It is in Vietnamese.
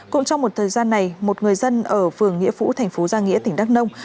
cũng trong một thời gian này một người dân ở phường nghĩa phũ thành phố gia nghĩa tỉnh đắk nông